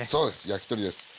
焼き鳥です。